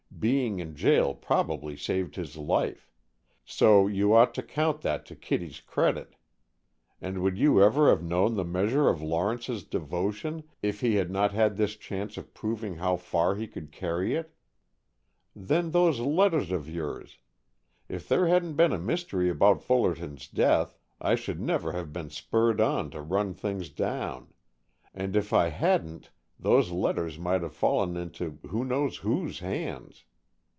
Being in jail probably saved his life, so you ought to count that to Kittie's credit. And would you ever have known the measure of Lawrence's devotion if he had not had this chance of proving how far he could carry it? Then those letters of yours, if there hadn't been a mystery about Fullerton's death, I should never have been spurred on to run things down, and if I hadn't those letters might have fallen into who knows whose hands!